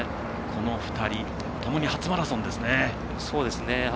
この２人ともに初マラソンですね。